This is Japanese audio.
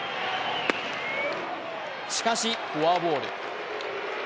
しかしフォアボール。